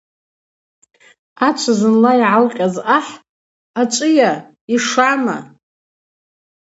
Ачва зынла йгӏалкъьаз ахӏ: Ачӏвыйа, йшама?